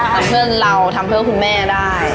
เพื่อนเราทำเพื่อคุณแม่ได้